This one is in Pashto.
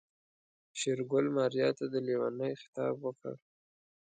شېرګل ماريا ته د ليونۍ خطاب وکړ.